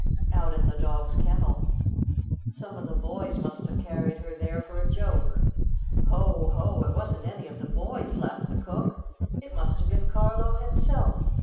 "Out in the dog's kennel. Some of the boys must have carried her there for a joke." "Ho ! Ho ! It wasn't any of the boys !" laughed the cook. "It must have been Carlo himself.